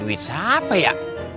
duit siapa ya